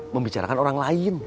membicarakan orang lain